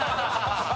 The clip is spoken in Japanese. ハハハハ！